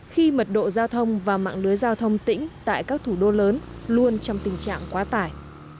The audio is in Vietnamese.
khi mật độ giao thông và mạng lưới giao thông tĩnh tại các thủ đô lớn luôn trong tình trạng quá tải